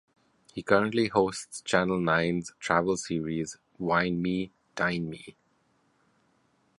He currently hosts Channel Nine's travel series Wine Me, Dine Me.